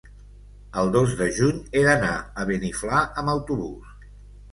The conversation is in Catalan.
El dos de juny he d'anar a Beniflà amb autobús.